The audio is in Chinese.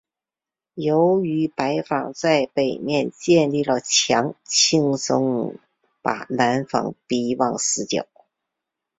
由于白方在北面建立了墙轻松把白方迫往死角。